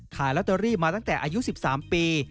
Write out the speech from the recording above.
ขายลอตเตอรี่มาตั้งแต่อายุ๑๓ปี